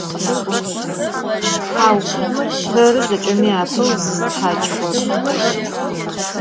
Hau, terı zeç'emi apeu zızıthaç'ığer.